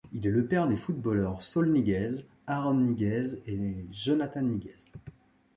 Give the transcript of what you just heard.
Il est le père des footballeurs Saúl Ñíguez, Aaron Ñíguez et Jonathan Ñíguez.